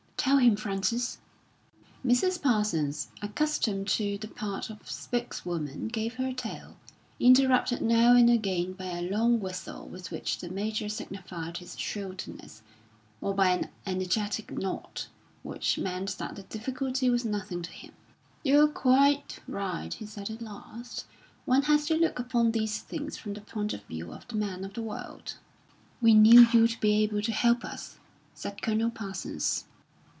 "Tell him, Frances." Mrs. Parsons, accustomed to the part of spokeswoman, gave her tale, interrupted now and again by a long whistle with which the Major signified his shrewdness, or by an energetic nod which meant that the difficulty was nothing to him. "You're quite right," he said at last; "one has to look upon these things from the point of view of the man of the world." "We knew you'd be able to help us," said Colonel Parsons.